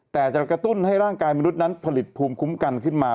แต่จะกระตุ้นให้ร่างกายมนุษย์นั้นผลิตภูมิคุ้มกันขึ้นมา